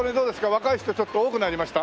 若い人ちょっと多くなりました？